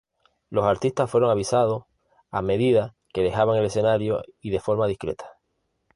Los artistas fueron avisados a medida que dejaban el escenario y de forma discreta.